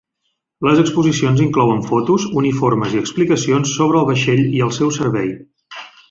Les exposicions inclouen fotos, uniformes i explicacions sobre el vaixell i el seu servei.